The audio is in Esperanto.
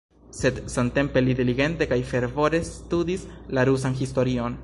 Sed samtempe li diligente kaj fervore studis la rusan historion.